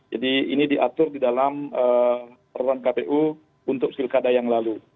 jadi ini diatur di dalam peron kpu untuk pilkada yang lalu